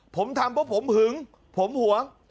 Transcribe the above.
ผมทำเพราะผมหึงผมหวง